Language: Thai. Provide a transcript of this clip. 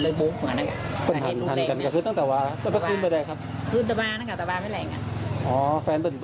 ไอ้ผู้ใจนี่นะไอ้ตัวเกี่ยวใจนี่นะ